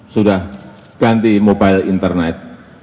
sudah ganti mobile internet